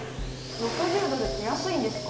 ６０ドルって安いんですか？